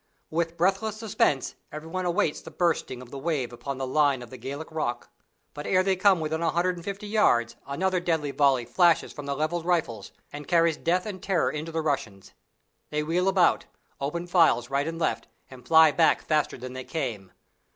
With breathless suspense everyone awaits the bursting of the wave upon the line of Gaelic rock, but ere they come within a hundred and fifty yards another deadly volley flashes from the levelled rifles and carries death and terror into the Russians. They wheel about, open files right and left, and fly back faster than they came.